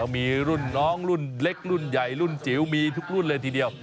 มีรุ่นน้องรุ่นเล็กรุ่นใหญ่รุ่นจิ๋วมีทุกรุ่นเลยทีเดียว